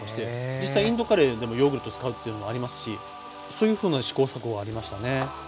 実際インドカレーでもヨーグルト使うっていうのもありますしそういうふうな試行錯誤はありましたね。